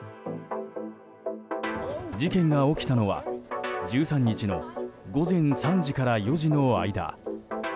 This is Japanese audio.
事件が起きたのは１３日の午前３時から４時の間。